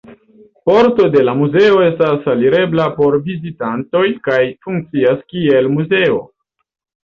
Parto de la kastelo estas alirebla por vizitantoj kaj funkcias kiel muzeo.